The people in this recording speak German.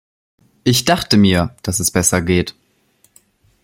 Ich dachte mir, dass es besser geht.